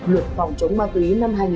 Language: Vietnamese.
luật phòng chống ma túy năm hai nghìn một mươi